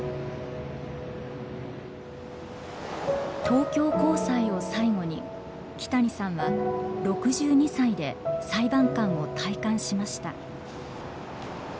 東京高裁を最後に木谷さんは６２歳で裁判官を退官しました。